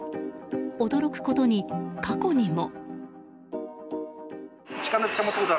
驚くことに過去にも。